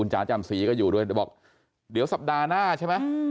จ๋าจำศรีก็อยู่ด้วยบอกเดี๋ยวสัปดาห์หน้าใช่ไหม